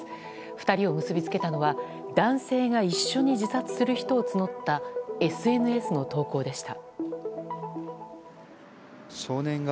２人を結びつけたのは男性が一緒に自殺する人を募ったＳＮＳの投稿でした。